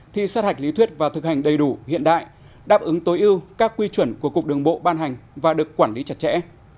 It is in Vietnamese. thi sát hạch lý thuyết và thực hành đầy đủ hiện đại đáp ứng tối ưu các quy chuẩn của cục đường bộ ban hành và được quản lý chặt chẽ